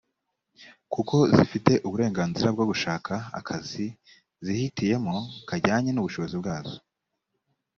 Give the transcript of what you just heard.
kuko zifite uburenganzira bwo gushaka akazi zihitiyemo kajyanye n ubushobozi bwazo